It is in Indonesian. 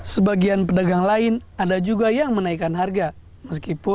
sebagian pedagang lain ada juga yang mengatakan bahwa kalau kita naikin harga tahu kita bisa mencapai harga tahu